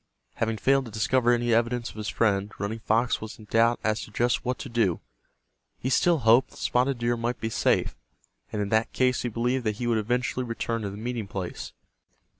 Having failed to discover any evidence of his friend, Running Fox was in doubt as to just what to do. He still hoped that Spotted Deer might be safe, and in that case he believed that he would eventually return to the meeting place.